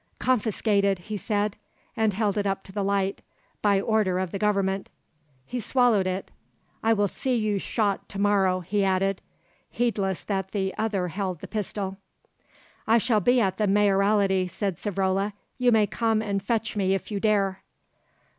"Confiscated," he said, and held it up to the light, "by order of the Government." He swallowed it. "I will see you shot to morrow," he added, heedless that the other held the pistol. "I shall be at the Mayoralty," said Savrola; "you may come and fetch me if you dare."